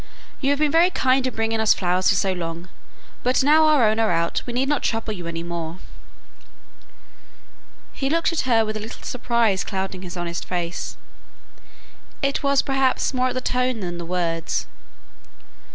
"You have been very kind in bringing us flowers so long; but now our own are out we need not trouble you any more." He looked at her with a little surprise clouding his honest face; it was perhaps more at the tone than the words. Mrs.